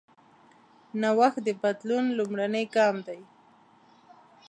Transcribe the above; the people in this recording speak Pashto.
نوښت د بدلون لومړنی ګام دی.